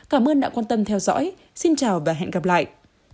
cảm ơn đã quan tâm theo dõi xin chào và hẹn gặp lại